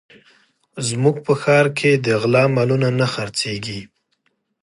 زموږ په ښار کې د غلا مالونه نه خرڅېږي